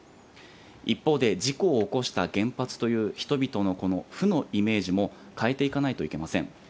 一方で、事故を起こした原発という人々のこの負のイメージも変えていかないといけません。